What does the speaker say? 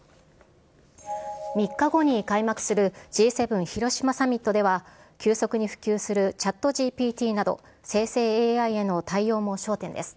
３日後に開幕するＧ７広島サミットでは、急速に普及するチャットＧＰＴなど生成ＡＩへの対応も焦点です。